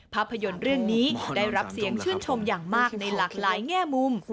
ภาพยนตร์เรื่องนี้ได้รับเสียงชื่นชมอย่างมากในหลากหลายแง่มุม